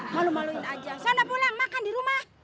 malu maluin aja sona pulang makan di rumah